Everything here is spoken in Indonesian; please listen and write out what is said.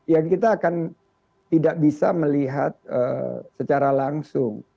ya kita akan tidak bisa melihat secara langsung